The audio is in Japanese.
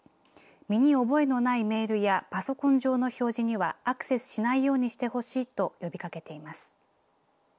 身に覚えのないメールやパソコン上の表示にはアクセスしないようにしてほしいと呼びかけています。